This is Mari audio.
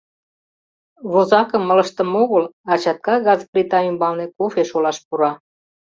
Возакым ылыжтыме огыл, а чатка газ плита ӱмбалне кофе шолаш пура.